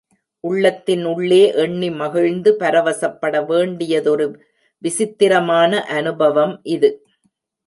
உள்ளத்தின் உள்ளே எண்ணி மகிழ்ந்து பரவசப்பட வேண்டியதொரு விசித்திரமான அனுபவம் இது.